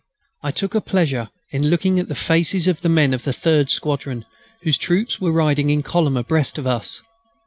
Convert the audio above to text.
I took a pleasure in looking at the faces of the men of the third squadron, whose troops were riding in column abreast of us.